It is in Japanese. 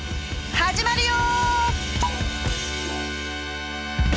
始まるよ！